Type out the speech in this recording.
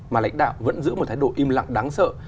mà lãnh đạo vẫn giữ một thái độ im lặng đáng sợ